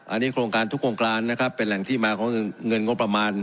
อันนี้โครงการทุกโครงการนะครับเป็นแหล่งที่มาของเงินงบประมาณ